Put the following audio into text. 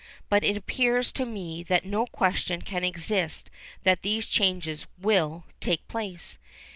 But it appears to me that no question can exist that these changes will take place.